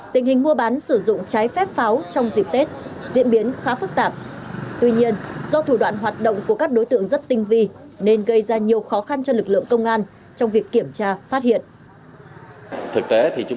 tình hình mua bán sử dụng trái phép pháo trong dịp tết diễn biến khá phức tạp tuy nhiên do thủ đoạn hoạt động của các đối tượng rất tinh vi nên gây ra nhiều khó khăn cho lực lượng công an trong việc kiểm tra phát hiện